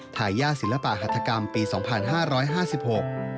ทายาทศิลปะหัฐกรรมปีสองพันห้าร้อยห้าสิบหก